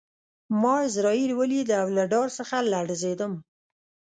ما عزرائیل ولید او له ډار څخه لړزېدم